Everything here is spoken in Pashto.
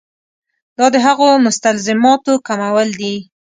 دا د هغو مستلزماتو کمول دي.